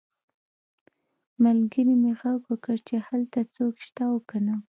ملګري مې غږ وکړ چې هلته څوک شته او که نه